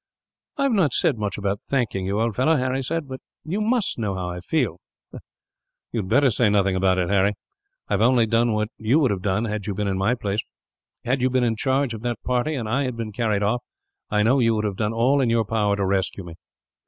"I have not said much about thanking you, old fellow," Harry said, "but you must know how I feel." "You had better say nothing about it, Harry. I have only done what you would have done, had you been in my place. Had you been in charge of that party, and I had been carried off, I know you would have done all in your power to rescue me.